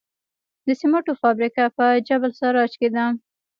د سمنټو فابریکه په جبل السراج کې ده